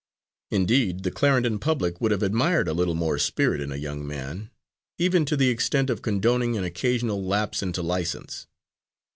Indeed, the Clarendon public would have admired a little more spirit in a young man, even to the extent of condoning an occasional lapse into license.